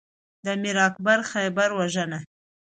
د میر اکبر خیبر وژنه